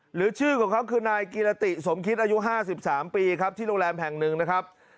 หรือชื่อของเขาคือนายกิรติสมคิดอายุ๕๓ปีครับที่โรงแรมแห่งหนึ่งนะครับ